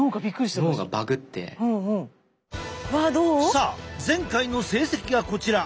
さあ前回の成績がこちら。